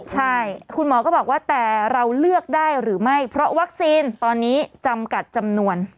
ใช่คุณหมอก็บอกว่าแต่เราเลือกได้หรือไม่เพราะวัคซีนตอนนี้จำกัดจำนวน